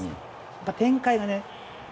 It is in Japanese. やっぱり、展開がね。